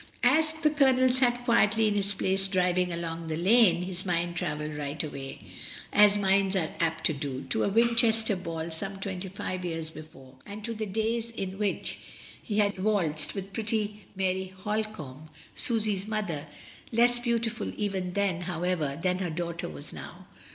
As the Colonel sat quietly in his place driving along the lane, his mind travelled right away, as minds are apt to do, to a Winchester ball some twenty five years before, and to the days in which 2l8 MRS. DYMOND. he had waltzed with pretty Mary Holcombe, Susy's mother, less beautiful even then, however, than her daughter was now.